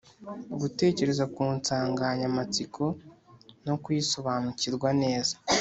Gutekereza ku nsanganyamatsiko no kuyisobanukirwa neza.